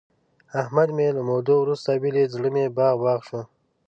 احمد مې له مودو ورسته ولید، زړه مې باغ باغ شو.